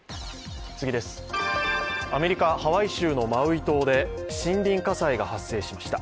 アメリカ・ハワイ州のマウイ島で森林火災が発生しました。